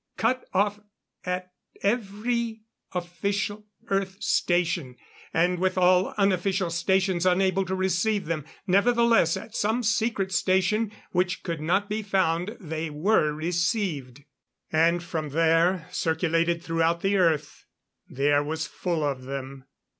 Cut off at every official Earth station and with all unofficial stations unable to receive them nevertheless at some secret station which could not be found, they were received. And from there, circulated throughout the Earth. The air was full of them.